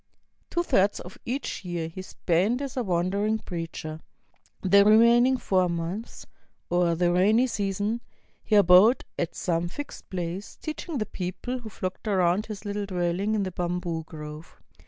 Two thirds of each year he spent as a wander ing preacher. The remaining four months, or the rainy season, he abode at some ILxcd place, teaching the people who flocked around his little dwelHng in the bamboo grove.